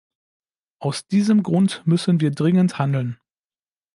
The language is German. Aus diesem Grund müssen wir dringend handeln.